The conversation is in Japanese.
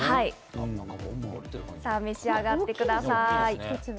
召し上がってください。